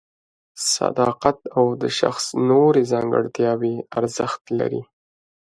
صداقت او د شخص نورې ځانګړتیاوې ارزښت لري.